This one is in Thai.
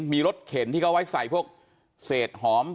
มีรถเข็นที่เขาไว้ใส่พวกเศษหอม